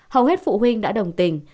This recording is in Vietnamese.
hầu hết phụ huynh đã đồng tình